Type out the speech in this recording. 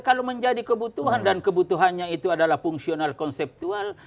kalau menjadi kebutuhan dan kebutuhannya itu adalah fungsional konseptual